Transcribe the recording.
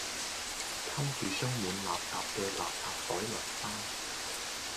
抽住裝滿垃圾嘅垃圾袋落山